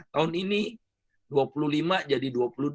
tahun ini dua puluh lima jadi dua puluh dua